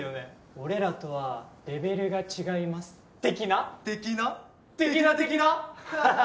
俺らとはレベルが違います的な？的な？的な？的な？